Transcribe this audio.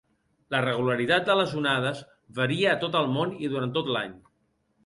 La regularitat de les onades varia a tot el món i durant tot l'any.